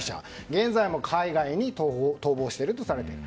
現在も海外に逃亡しているとされている。